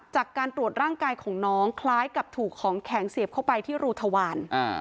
จากการตรวจร่างกายของน้องคล้ายกับถูกของแข็งเสียบเข้าไปที่รูทวาร